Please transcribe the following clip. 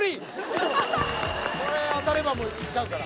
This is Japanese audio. これ当たればもういっちゃうから。